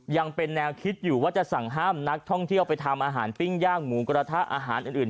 ยังเป็นแนวคิดอยู่ว่าจะสั่งห้ามนักท่องเที่ยวไปทำอาหารปิ้งย่างหมูกระทะอาหารอื่น